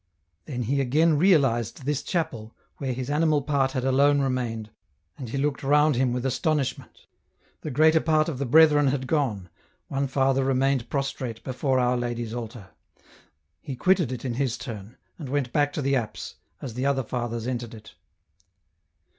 Then he again realized this chapel, where his animal part had alone remained, and he looked round him with astonishment ; the greater part of the brethren had gone, one father remained prostrate before our Lady's altar ; he quitted it in his turn, and went back to the apse, as the other fathers entered it.